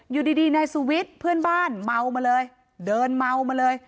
อยู่ดีนายสุวิทย์เพื่อนบ้านเมามาเลยเดินเมามาเลย